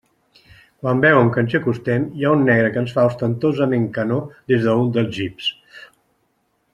Quan veuen que ens hi acostem, hi ha un negre que ens fa ostentosament que no des d'un dels jeeps.